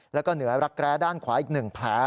แล้วก็เหนือรักแร้ด้านขวาอีก๑แผล